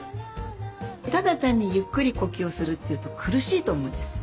ただ単にゆっくり呼吸をするというと苦しいと思うんですよ。